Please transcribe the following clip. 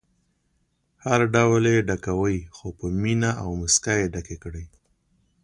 هر ډول یې ډکوئ خو په مینه او موسکا ډکې کړئ.